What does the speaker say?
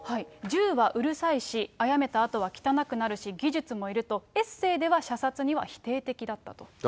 銃はうるさいし、あやめたあとは汚くなるし技術もいると、エッセーでは射殺には否定的だったと。